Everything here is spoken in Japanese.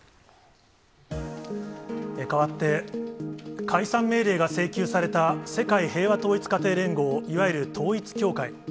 変わって、解散命令が請求された、世界平和統一家庭連合、いわゆる統一教会。